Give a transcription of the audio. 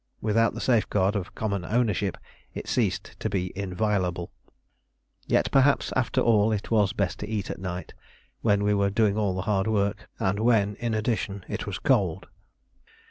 Without the safeguard of common ownership, it ceased to be inviolable. Yet perhaps after all it was best to eat at night, when we were doing all the hard work, and when, in addition, it was cold.